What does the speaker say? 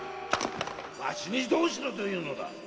わしにどうしろというのだ？〕